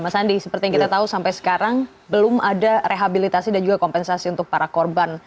mas andi seperti yang kita tahu sampai sekarang belum ada rehabilitasi dan juga kompensasi untuk para korban